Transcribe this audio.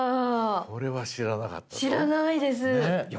これは知らなかったよ。